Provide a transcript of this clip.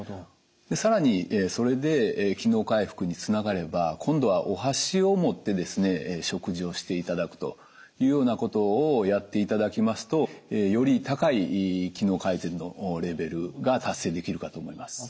更にそれで機能回復につながれば今度はお箸を持ってですね食事をしていただくというようなことをやっていただきますとより高い機能改善のレベルが達成できるかと思います。